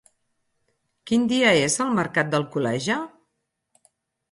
Quin dia és el mercat d'Alcoleja?